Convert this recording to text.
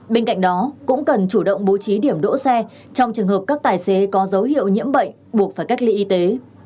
bên cạnh đó cũng cần chủ động bố trí điểm đỗ xe trong trường hợp các tài xế có dấu hiệu nhiễm bệnh buộc phải cách ly y tế